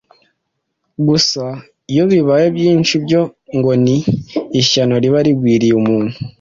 Gusa iyo bibaye byinshi byo ngo ni ishyano riba rigwiriye umuntu.